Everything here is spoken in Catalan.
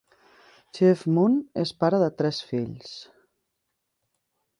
Chief-Moon és pare de tres fills.